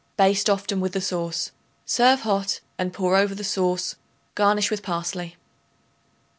Baste often with the sauce. Serve hot, and pour over the sauce; garnish with parsley.